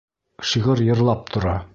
Шиғыр йырлап тора.